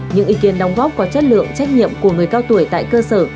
những ý kiến đóng góp có chất lượng trách nhiệm của người cao tuổi tại cơ sở